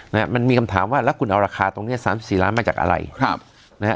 นะฮะมันมีคำถามว่าแล้วคุณเอาราคาตรงเนี้ยสามสิบสี่ล้านมาจากอะไรครับนะฮะ